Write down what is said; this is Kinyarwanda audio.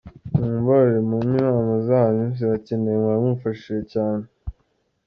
Mumbabarire mumpe inama zanyu ziracyenewe mwaba mumfashije cyane.